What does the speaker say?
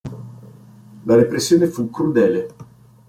La repressione fu crudele.